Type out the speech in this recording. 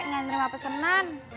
gak nerima pesenan